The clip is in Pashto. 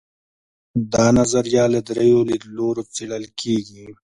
دا نظریه له درېیو لیدلورو څېړل کیږي.